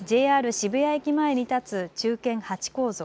渋谷駅前に立つ忠犬ハチ公像。